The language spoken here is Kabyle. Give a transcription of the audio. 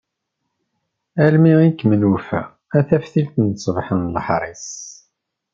Almi i kem-nufa, a taftilt n ṣṣbeḥ n leḥris.